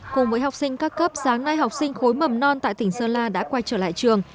cùng với học sinh các cấp sáng nay học sinh khối mầm non tại tỉnh sơn la đã quay trở lại trường